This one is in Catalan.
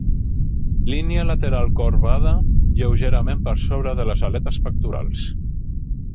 Línia lateral corbada lleugerament per sobre de les aletes pectorals.